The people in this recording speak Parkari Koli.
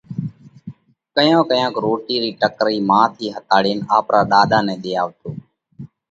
ڪيونڪ ڪيونڪ روٽِي رئِي ٽڪرئِي مان ٿِي ۿتاڙينَ آپرا ڏاڏا نئہ ۮي آوَتو۔